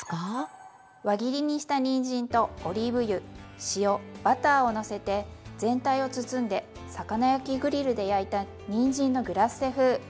輪切りにしたにんじんとオリーブ油塩バターをのせて全体を包んで魚焼きグリルで焼いたにんじんのグラッセ風。